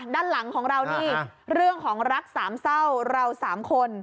ด้านหลังของเรานี่เรื่องของรักสามเศร้าเราสามคน